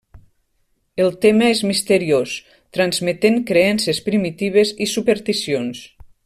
El tema és misteriós transmetent creences primitives i supersticions.